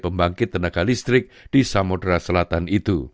pembangkitan listrik di samudera selatan